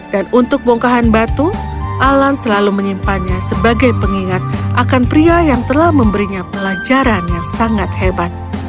dan untuk bongkahan batu alan selalu menyimpannya sebagai pengingat akan pria yang telah memberinya pelajaran yang sangat hebat